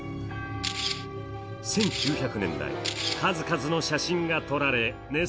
１９００年代、数々の写真が撮られネス